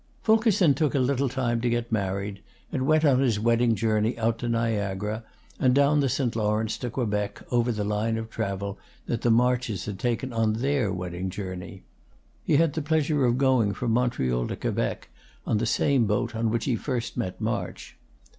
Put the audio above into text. Fulkerson took a little time to get married, and went on his wedding journey out to Niagara, and down the St. Lawrence to Quebec over the line of travel that the Marches had taken on their wedding journey. He had the pleasure of going from Montreal to Quebec on the same boat on which he first met March.